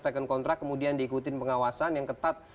taken kontrak kemudian diikuti pengawasan yang ketat